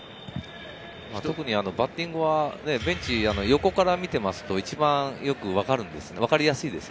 特にバッティングはベンチを横から見てますと一番よくわかるんです。